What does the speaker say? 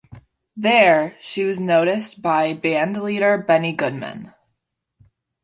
There, she was noticed by bandleader Benny Goodman.